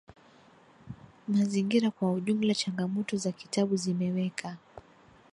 mazingira Kwa ujumla changamoto za kitabu zimeweka